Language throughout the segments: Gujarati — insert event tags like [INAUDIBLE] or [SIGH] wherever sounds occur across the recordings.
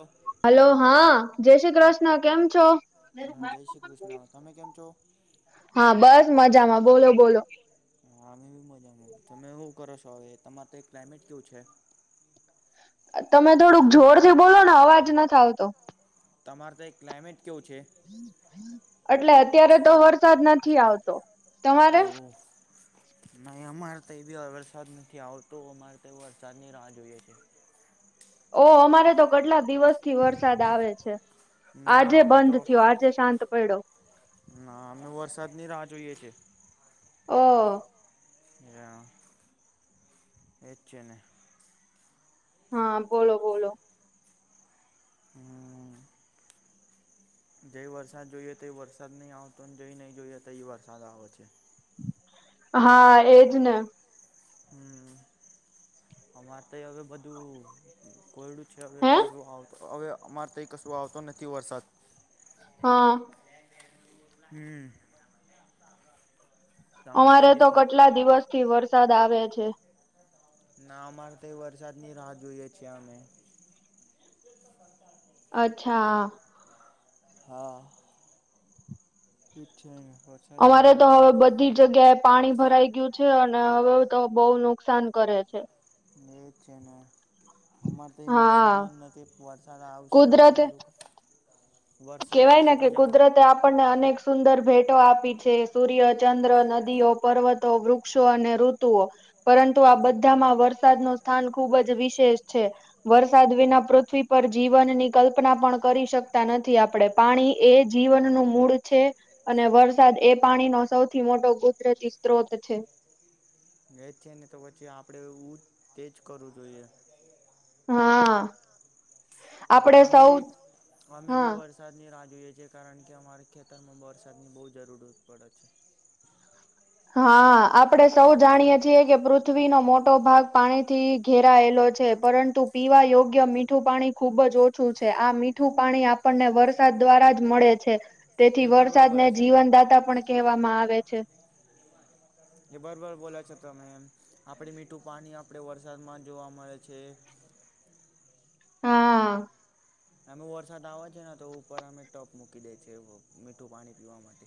અમ હલો હા જય શ્રી કૃષ્ણ કેમ છો હા બસ મજામાં બોલો બોલો હા અમે બી મજાનું તમે એવું કરો છો હવે તમારે તે ક્લાઇમેટ કેવું છે તમે થોડુંક જોર થી બોલો ને અવાજ નથ આવતો તમારે ત્યાં ક્લાઇમેટ કેવું છે એટલે અત્યારે તો વરસાદ નથી આવતો એવું નહી અમારે તો એવી વરસાદ નથી આવતો અમારે તો વરસાદની રાહ જોઈએ છે ઓહ અમારે તો કેટલા દિવસ થી વરસાદ આવે છે આજે બંધ થયો આજે શાંત પડ્યો ના અમે વરસાદ ની રાહ જોઈએ છીએ ઓહ એરા એ છેને હા બોલો બોલો હમ્મ. જે વરસાદ જોઈએ તો એ વરસાદ નહીં આવતોને જઈ નહીં જોઈએ તો એ વરસાદ આવે છે હા એજ ને હમ્મ અમારે તો હવે બધું કોરડું છે હવે કંઈ શું આવત હવે અમારે કંઈ કશું આવતો નથી વરસાદ હા. હમ્મ. અમારે તો કેટલા દિવસ થી વરસાદ આવે છે ના અમારે તો વરસાદ ની રાહ જોઈએ છીએ અમે તે [UNINTELLIGIBLE] અચ્છા. હા. એજ છે ને પણ અમારે તો હવે બધ બધી જગ્યાએ પાણી ભરાઈ ગયું છે અને હવે તો બહુ નુકસાન કરે છે. એ જ છે ને અમર તો નુકસાન જ નથી. વરસાદ આવશે તો જ અમારું. કેવાય ને કે કુદરતે આપણને અનેક સુંદર ભેટો આપી છે સૂર્ય ચંદ્ર નદીઓ પર્વતો વૃક્ષો અને ઋતુઓ પરંતુ આ બધામાં વરસાદ નુ સ્થાન ખુબ જ વિશેષ છે. વરસાદ વિના પૃથ્વી પર જીવનની કલ્પના પણ કરી શકતા નથી. થી આપણે પાણી એ જીવનનું મૂળ છે. અને વરસાદ એ પાણી નો સૌથી મોટો કુદરતી સ્ત્રોત છે. ગઈ છે ને તો પછી આપડે એવો જ તેજ કરવું જોઈએ. હા. હ અમે બી અમે બી વર્ષ વરસાદની રાહ જોઈએ છે કારણ કે અમારા ખેતરમાં વરસાદની બહુ જરૂર પડે છે. હા આપડે સૌ જાણીએ છીએ કે પૃથ્વીનો મોટો ભાગ પાણી થી ઘેરાયેલો છે પરંતુ પીવા યોગ્ય મીઠું પાણી ખુબ જ ઓછું છે આ મીઠું પાણી આપ આપને વરસાદ દ્વારા જ મળે છે તેથી વરસાદને જીવનદાતા પણ કહેવામાં આવે છે. એ બરાબર બોલા છો તમે આપણે મીઠું પાણી આપણે વરસાદમાં જોવા મળે છે. હા. અમે વરસાદ આવવા છે ને તો ઉપર અમે ટોપ મૂકી દે છે મીઠું પાણી પીવા માટે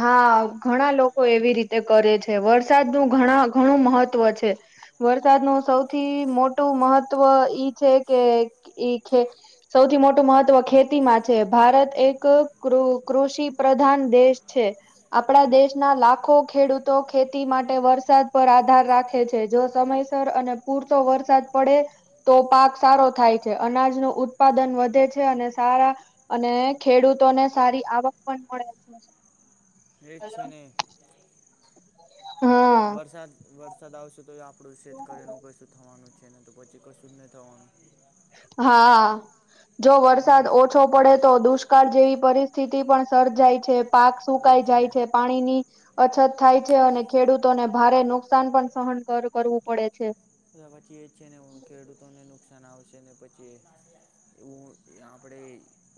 હા ઘણા લોકો એવી રીતે કરે છે વરસાદ નું ઘણા ઘણું મહત્ત્વ છે. વરસાદ ન સૌથી મોટું મહત્વ ઈ છે કે ઈ ખે સૌથી મોટું મહત્વ ખેતી માં છે ભારત એક કૃષિ પ્રધાન દેશ છે. આપણા દેશના લાખો ખેડૂતો ખેતી માટે વરસાદ પર આધાર રાખે છે જો તમે. અને પૂરતો વરસાદ પડે. તો પાક સારો થાય છે અનાજ ન ઉત્પાદન વધે છે અને સારા અને ખેડૂતોને સારી આવક પણ મળે છે. એક છેને. વરસાદ વરસાદ આવશે તો એ આપડું શતકરી નું કશું થવાનું છે. છે ને તો પછી કશું જ નહી થવાનું. હા જો વરસાદ ઓછો ઓછો પડે તો દુષ્કાળ જેવી પરિસ્થિતિ પણ સર્જાય છે પાક સુકાઈ જાય છે. પાણીની અછત થાય છે અને ખેડૂતોને ભારે નુકસાન પણ સહન કરવું પડે છે. એ પછી એ જ છે ને ખેડૂતોને નુકસાન આવશે ને પછી એ દુર ગામણે.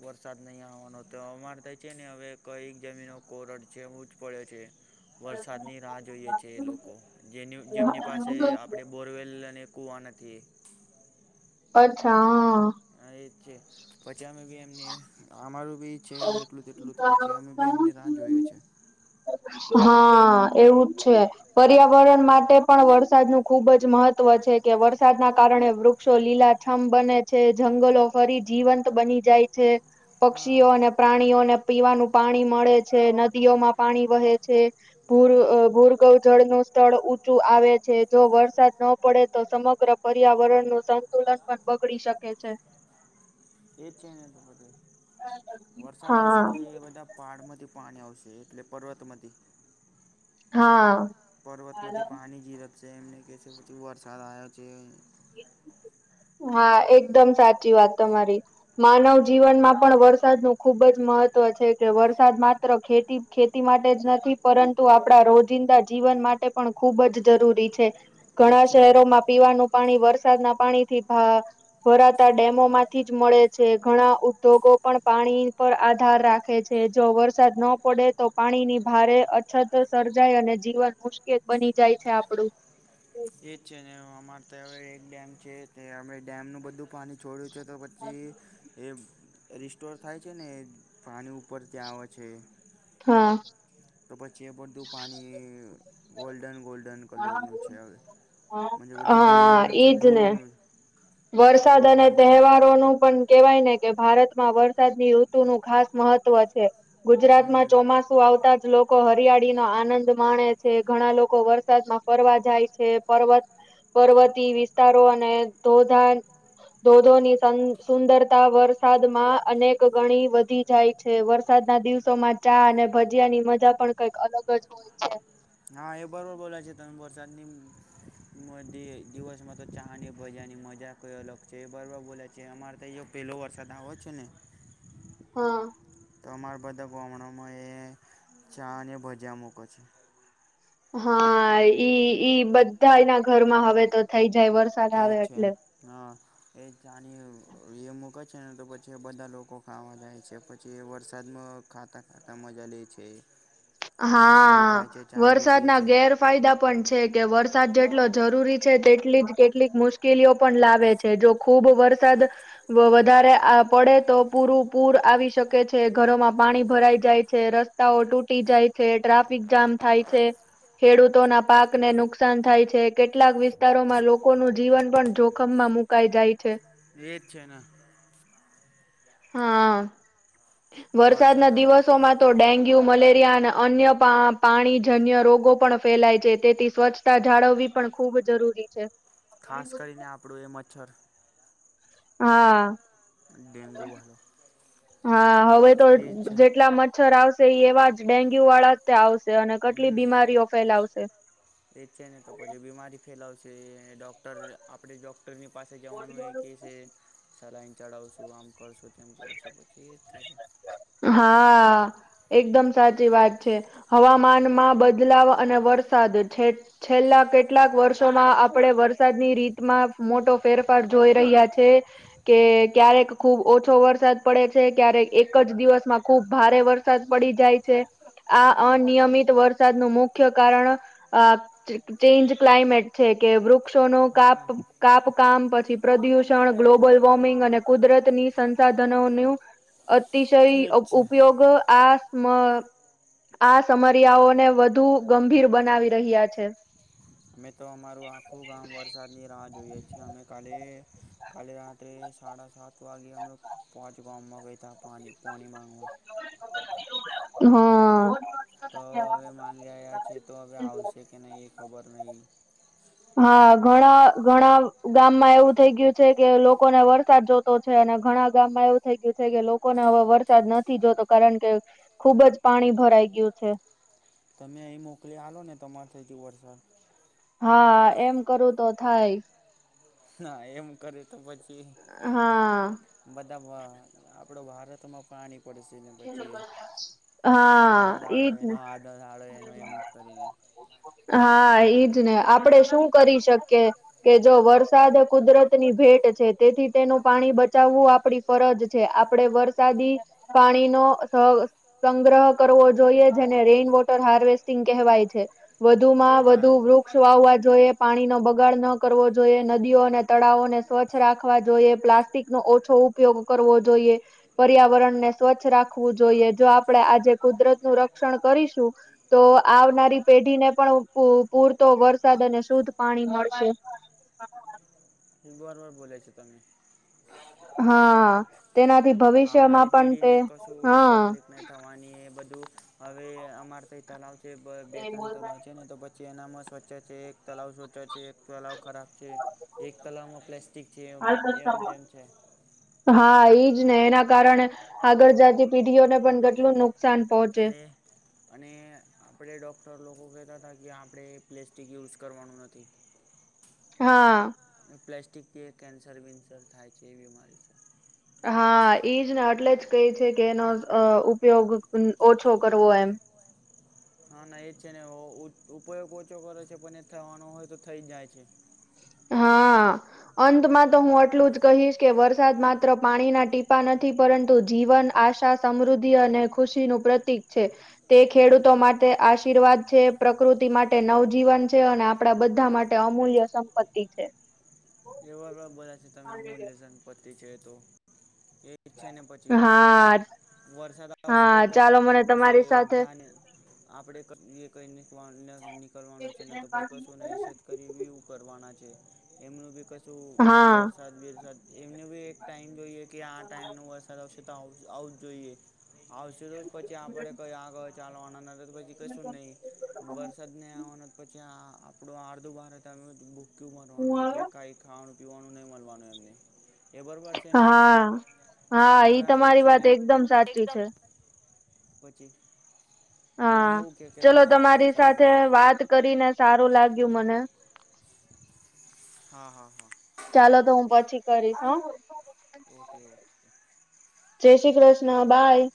વરસાદ નહીં આવવાનો તો અમારે તો છે ને હવે કઈક જમીનો કોરડ છે એવું જ પડ્યો છે. વરસાદની રાહ જોઈએ છે એ લોકો જેની જેમની પાસે આપણેે. બોરવેલ અને કૂવા નથી. અચ્છા હ. એ જ છે પચામે બી એમની અમારું બી. છે એટલું જ એટલું તો પછી અમે બી એમની રાહ જોઈએ છ છીએ. હા એવુંજ છે. પર્યાવરણ માટે પણ વરસાદ ન ખુબ જ મહત્વ છે કે વરસાદના કારણે વૃક્ષ વૃક્ષો લીલાછામ બને છે જંગલો ફરી જીવંત બની જાય છે પક્ષી. ક્ષીઓ અને પ્રાણીઓને પીવાનું પાણી મળે છે, નદીઓમાં પાણી વહે છે. ભૂર ભૂરગવ જળ નું સ્થળ ઊંચું આવે છે જો વરસાદ ન પડે. તો સમગ્ર પર્યાવરણ નું સંતુલન પણ બગડી શકે છે. એ જ છે ને તો વરસાદ આવશે તો એ બધા. પહાડમાંથી પાણી આવશે એટલે પર્વતમાંથી. હા. પર્વતમાંથી પાણી જીરત છે એમને કહે છે પછી વરસાદ આવ્યો છે. હા એકદમ સાચી વાત તમારી. માનવ જીવનમાં પણ વરસાદ નું ખુબ જ મહત્વ છે કે વરસાદ માત્ર ખેતી. ખેતી માટે જ નથી પરંતુ આપણા રોજિંદા જીવન માટે પણ ખૂબ જ જરૂરી છે. ઘણા શહેરોમાં પીવાનું પાણી વરસાદના પાણી થી ભા. ભરાતા ડેમો માંથી જ મળે છે, ઘણા ઉદ્યોગો પણ પાણી પર આધાર રાખે છે. તે જો વરસાદ ન પડે તો પાણીની ભારે અછત સર્જાય અને જીવન મુશ્. કેલ બની જાય છે આપડું. એજ છે ને અમારે ત્યાં હવે એક ડેમ છે તે અમે ડેમનું બધું પાણી છોડ્યું. કચે તો પ્ચી એ. રિસ્ટોર થાય છે ને પાણી ઉપર ત્યાં આવે છે. હા. તો પછી એ બધું પાણી ગોલ્ડન ગોલ્ડન કલરનું છે હવે. મજે બધ દૂરનું છે દૂરનું. વરસાદ અને તહેવારો નું પણ. કેવાય ને કે ભારતમાં વરસાદ ની ઋતુ નું ખાસ મહત્વ છે. ગુજરાત માં ચોમાસુ આવતા જ લોક. કો હરિયાળી નો આનંદ માણે છે ઘણા લોકો વરસાદમાં ફરવા જાય છે પર્વત. પર્વતી વિસ્તારો અને ધોધા. ધોધોની સુંદરતા વરસાદ માં અનેક ગણી વધી. જાય છે વરસાદ ના દિવસો માં ચા અને ભજીયા ની મજા પણ કઈક અલગ જ હોય છે. હા એ બરોબર બોલા છે ત વરસાદની મધ દિવસમાં તો ચહાની ભજાની મજા. કોઈ અલગ છે બરોબર બોલા છે અમારે તો અયા પેલો વરસાદ હો છે ને. હા. તો અમારા બધા ગોમણામાં એ ચા અને ભજા મૂકો છે. હા ઈ ઈ બધા એના ઘરમાં હવે તો થઈ જાય વરસા. એ છે હા. એ જાણી એ મૂકે છે ને તો પછી એ બધા લોકો ખાવા જાય છે પછી એ વરસાદમાં. ખાતા ખાતા મજા લે છે. હા વરસાદ ના ગેર. ફાયદા પણ છે કે વરસાદ જેટલો જરૂરી છે તેટલી જ કેટલીક મુશ્કેલીઓ પણ લાવે છે. જો ખુબ વરસાદ. વધારે પડે તો પૂરું પૂર આવી શકે છે ઘરોમાં પાણી ભરાઈ જાય છે રસ્. સ્તાઓ તૂટી જાય છે ટ્રાફિક જામ થાય છે. ખેડૂતોના પાકને નુકસાન થાય છે, કેટલાક વિસ્તારોમાં લોકોનું જીવન પણ જોખમમાં મુક. કાઈ જાય છે. એ જ છે હા વરસાદ ના દિવસોમાં તો ડેન્ગ્યુ મલેરિયા અને અન્ય પાણીજન્ય રોગો પણ ફેલાય છે તેથી સ્વચ્છ જાળવવી પણ ખૂબ જરૂરી છે ખાસ કરીને આપણું એ મચ્છર. હા. ડેન્ગુ વધે. હા હવે તો જેટલા મચ્છર આવશે એવા જ ડેન્ગ્યુ વાળા. તે આવશે અને કેટલી બીમારીઓ ફેલાવશે. એ જ છે ને તો પછી બીમારી ફેલાવશે ડોક્ટર આપણે જોક. ડૉક્ટરની પાસે જવાનું એ કે છે ચલાઈને ચઢાવશું આમ કરશું તેમ કરશું પધી જ થઈ જાય હા એકદમ સાચી વાત છે હવામાનમાં બદલાવ અને વરસાદ છે છેલ્લા કેટલાક વર્ષોમાં આપણે વરસાદની રીતમાં મોટો ફેરફાર જોઈ રહ્યા છે કેક ક્યારેક ખુબ ઓછો વરસાદ પડે છે ક્યારેક એક જ દિવસમાં ખુબ ભારે વરસાદ પડી જાય છે આ અનિયમિત વરસાદ ન મુખ્ય કારણ અ ચેન્જ ક્લાયમેટ છે કે વૃક્ષો ન કાપ કાપકામ પછી પ્રદુષણ ગ્લોબલ વોર્મિંગ અને કુદરત ની સંસાધનો નું અતિશય ઉપયોગ આ આ સમર્યાઓને વધુ ગંભીર બનાવી રહ્યા છે અમે તો અમારું આખું ગામ વરસાદની રાહ જોઈએીએ અમે કાલે કાલે રાત્રે સાડા સાત વાગે અમે પહંચ ગામમાં ગતા પાણી પાણી માગવા હમ તો હવે ગી રહ્યા છે તો હવે આવશે કે નહીં એ ખબર નહીં હા ઘણા ઘણા ગામમાં એવું થઈ ગયું છે કે લોકોને વરસાદ જોતો છે અને ઘણા ગામમાં એવું થઈ ગયું છે કે લોકોને હવે વરસાદ નથી જોતો કારણ કે ખુબ જ પાણી ભરાઈ ગયું છે તમે અહીં મોકલી હાલો ને તમાર થ વરસાદ હા એમ કરું તો થાય ના એમ કરે તો પછી બધા આપડો ભારતમાં પાણી પડશે ને પછી આનો દાડો એનો હનોાડો એનો એમ કરીને હા ઈજ ને આપડે શું કરી શકીએ કે જો વરસાદ કુદરત ની ભેટ છે તેથી તેનું પાણી બચાવવું આપડી ફરજ છે આપડે વરસાદી પાણીનો સંગ્રહ કરવો જોઈએ જેને રેઈન વોટર હાર્વેસ્ટિંગ કહેવાય છે વધુમાં વધુ વૃક્ષ વવા જોઈએ પાણીનો બગાડ ન કરવો જોઈએ નદીઓ અને તળાવોને સ્વચ્છ રાખવા જોઈએ પ્લાસ્ટિક નો ઓછો ઉપયોગ કરવો જોઈએ પર્યાવરણને સ્વચ્છ રાખવું જોઈએ જો આપડણે આજે કુદરત નું રક્ષણ કરીશું તો આવનારી પેઢીને પણ પૂરતો વરસાદ અને શુદ્ધ પાણી મળશે વાર વાર બોલા છેો તમે હા તેનાથી ભવિષ્યમાં પણ તે હા થવાની એ બધું હવે અમારે તો એ તલાવ છે બે ત્રણ તલાવ છે ને તો જે એનામાં સ્વચ્છ છે એક તલાવ સ્વચ્છ છે એક તલાવ ખરાબ છે એક તલાવમાં પ્લસ ઠીક છે એમ એમ તેમમ છે હા એઈજ ને એના કારણે આગળ જાતી પીઢીઓને પણ કેટલું નુ અને અને આપણે ડૉક્ટર લોકો કહેતા હતા કે આપણે પ્લેસ્ટિક યુઝ કરવાનું નથી હા પ્લાસ્ટિકથી કેન્સર બીન્સર થાય છે એ બીમારી છે હા ઈજ ને એટલે જ કઈ છે કે એનો ઉપયોગ ઓછો કરવો એમ હા ના એજ છે ને ઉપયોગ ઓછો કરે છે પણ એ થવાનો હોય તો થઈ જ જાય છે હા અંતમાં તો હું આટલું જ કહીશ કે વરસાદ માત્ર પાણીના ટીપા નથી પરંતુ જીવન આશા સમૃદ્ધિ અને ખુશી નું પ્રતીિક છે તે ખેડૂતો માટે આશીર્વાદ છે પ્રકૃતિ માટે નવજીવન છે અને આપડા બધા માટે અમૂલ્ય સંપત્તિ છે એ વા બોલા છે તમે અમૂલ્ય સંપત્તિ છે તો એક છે ને પછી વરસાદ આવશે તો પછી આપણું કશે ધાને આપણે ક એ કંઈ નીકવા નીકળવાનું છે ને તો પછ કશું નહી છે કરું કરવાના છે એમનું બી કશું વરસાદ બિરસાદ એમને બી એક ટાઈમ જોઈએ કે આ ટાઈમનો વરસાદ આવશે તો આવું જ જોઈએ આવશે તો પછી આપડે કઈ આગયો ચાલો તો પછી કશું નહી વરસાદ ને આવવાના પછી આ આપણું આડધું બાર તમે ભૂકયું ભરવાનું એટલે કાઈ. ખાવાનું પીવાનું નહીં મળવાનું એમને એ બરોબર. છેને હ એ છે ને એક દમ પચી હા ચલો તમારી સાથે વાત કરીને સારું લાગ્યું મને હા હા હા ચાલો તો હું પછી કરીશ હ ઓકે જય શ્રી કૃષ્ણ બાાય